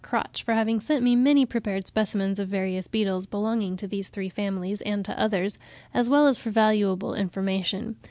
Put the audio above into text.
Crotch for having sent me many prepared specimens of various beetles belonging to these three families and to others, as well as for valuable information.